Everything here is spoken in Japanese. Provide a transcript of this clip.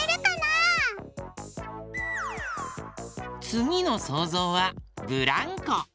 つぎのそうぞうはブランコ。